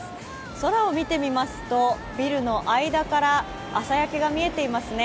空を見てみますと、ビルの間から朝焼けが見えていますね。